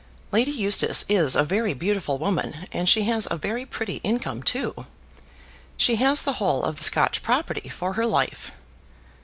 Lady Eustace is a very beautiful woman, and she has a very pretty income too. She has the whole of the Scotch property for her life."